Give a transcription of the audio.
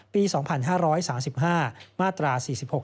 ปี๒๕๓๕มาตรา๔๖